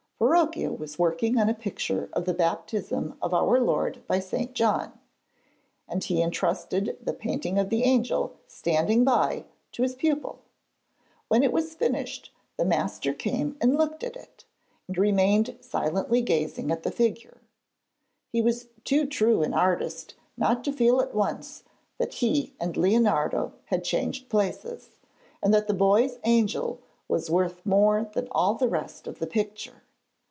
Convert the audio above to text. Verrocchio was working on a picture of the baptism of our Lord by St. John, and he entrusted the painting of the Angel standing by to his pupil. When it was finished the master came and looked at it, and remained silently gazing at the figure. He was too true an artist not to feel at once that he and Leonardo had changed places, and that the boy's Angel was worth more than all the rest of the picture.